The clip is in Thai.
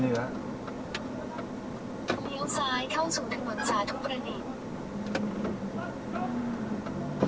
เลี้ยวซ้ายเข้าสู่ถนนสาธุประดิษฐ์